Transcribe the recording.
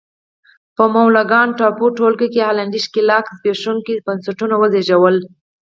په مولوکان ټاپو ټولګه کې هالنډي ښکېلاک زبېښونکي بنسټونه وزېږول.